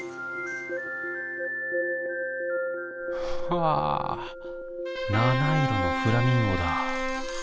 わぁ七色のフラミンゴだ。